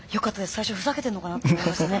最初ふざけてんのかなって思いましたね。